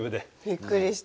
びっくりした。